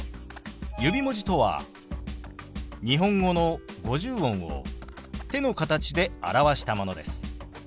指文字とは日本語の五十音を手の形で表したものです。